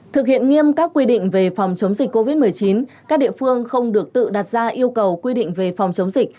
thực hiện nghiêm các quy định về phòng chống dịch covid một mươi chín các địa phương không được tự đặt ra yêu cầu quy định về phòng chống dịch